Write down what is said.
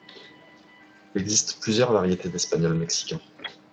Il existe plusieurs variétés d'espagnol mexicain.